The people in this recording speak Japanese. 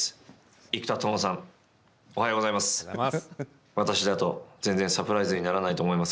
生田斗真さんおはようございます。